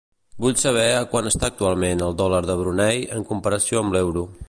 Vull saber a quant està actualment el dòlar de Brunei en comparació amb l'euro.